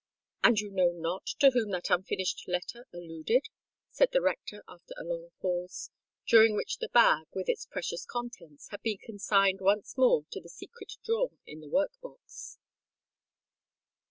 "And you know not to whom that unfinished letter alluded?" said the rector, after a long pause, during which the bag, with its precious contents, had been consigned once more to the secret drawer in the work box.